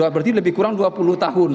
berarti lebih kurang dua puluh tahun